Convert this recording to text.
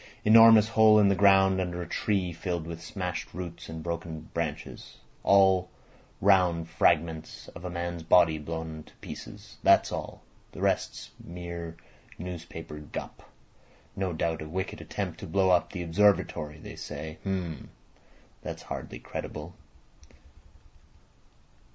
Enormous hole in the ground under a tree filled with smashed roots and broken branches. All round fragments of a man's body blown to pieces. That's all. The rest's mere newspaper gup. No doubt a wicked attempt to blow up the Observatory, they say. H'm. That's hardly credible."